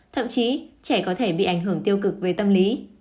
thậm chí trẻ có thể bị ảnh hưởng tiêu cực về tâm lý